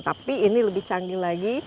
tapi ini lebih canggih lagi